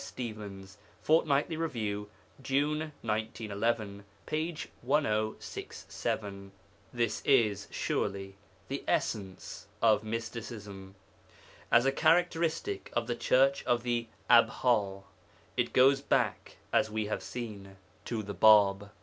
S. Stevens, Fortnightly Review, June 1911, p. 1067. This is, surely, the essence of mysticism. As a characteristic of the Church of 'the Abha' it goes back, as we have seen, to the Bāb.